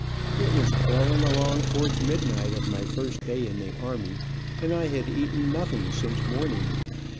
It was crawling along towards midnight, of my first day in the army, and I had eaten nothing since morning.